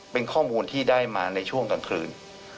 เป็นข้อมูลที่ได้มาในช่วงกลางคืน